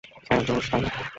হ্যাঁ, জোশ, তাই না?